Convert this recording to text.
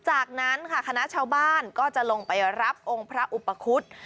จากนั้นค่ะคณะชาวบ้านก็จะลงไปรับองค์พระอุปคุฎ